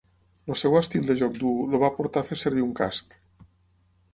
El seu estil de joc dur el va portar a fer servir un casc.